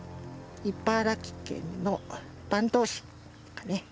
茨城県の坂東市。